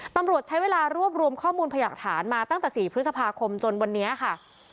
ตำรวจใช้เวลารวบรวมข้อมูลพยากฐานมาตั้งแต่๔พฤษภาคมจนวันนี้ค่ะ